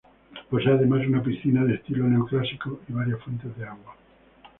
Posee además una piscina de estilo neoclásico y varias fuentes de agua.